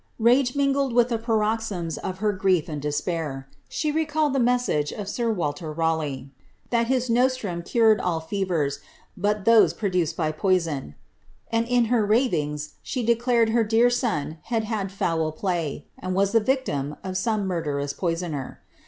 Rage mingled with the paroxysms of her grief and despair. She recalled the message of sir Walter Raleigh, ^ that his nostrum cured all fevers, but those produced by poison,^' and in her niTings, she declared her dear son had had foul play, and was the victim of some murderous poisoner.